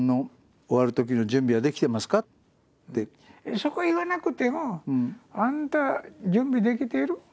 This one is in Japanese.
そこは言わなくても「あなた準備できてる？